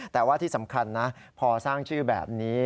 แต่ว่าที่สำคัญนะพอสร้างชื่อแบบนี้